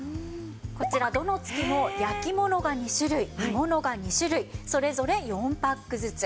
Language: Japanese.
こちらどの月も焼き物が２種類煮物が２種類それぞれ４パックずつ。